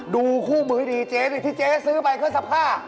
ดูคู่มือให้ดีเจ๊ดิที่เจ๊ซื้อไปเครื่องซักผ้า